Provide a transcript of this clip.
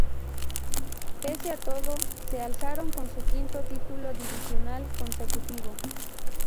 Pese a todo, se alzaron con su quinto título divisional consecutivo.